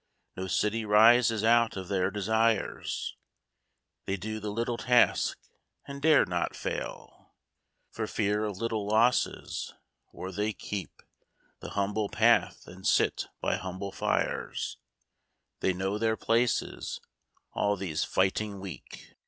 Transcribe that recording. No city rises out of their desires ; They do the little task, and dare not fail For fear of little losses — or they keep The humble path and sit by humble fires; They know their places — all these fighting Weak!